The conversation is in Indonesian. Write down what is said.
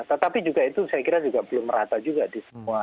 tetapi juga itu saya kira juga belum merata juga di semua